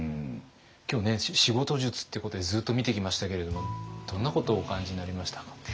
今日ね仕事術ってことでずっと見てきましたけれどもどんなことをお感じになりましたか？